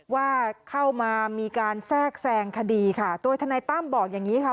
ว่าเข้ามามีการแทรกแทรงคดีค่ะโดยทนายตั้มบอกอย่างนี้ค่ะ